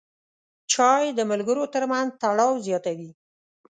چای د ملګرو ترمنځ تړاو زیاتوي.